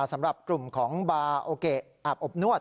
สำหรับกลุ่มของบาโอเกะอาบอบนวด